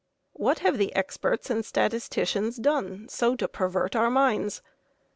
What have the experts and statisticians done so to pervert our minds?